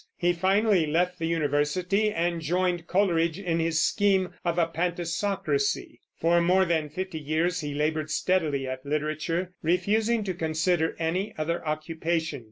He finally left the university and joined Coleridge in his scheme of a Pantisocracy. For more than fifty years he labored steadily at literature, refusing to consider any other occupation.